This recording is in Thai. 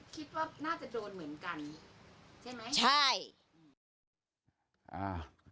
คิดว่าน่าจะโดนเหมือนกันใช่ไหมใช่อืมอ่า